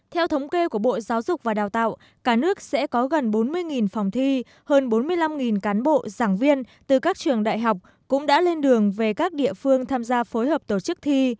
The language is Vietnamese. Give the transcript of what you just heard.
theo thống kê của bộ giáo dục và đào tạo cả nước sẽ có gần bốn mươi phòng thi hơn bốn mươi năm cán bộ giảng viên từ các trường đại học cũng đã lên đường về các địa phương tham gia phối hợp tổ chức thi